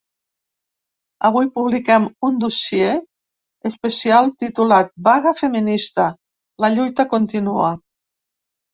Avui publiquem un dossier especial titulat ‘Vaga feminista: la lluita continua’.